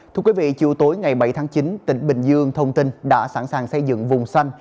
thưa quý vị chiều tối ngày bảy tháng chín tỉnh bình dương thông tin đã sẵn sàng xây dựng vùng xanh